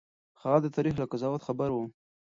هغه د تاريخ له قضاوت خبر و.